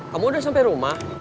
kamu udah sampai rumah